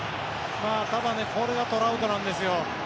ただこれがトラウトなんですよ。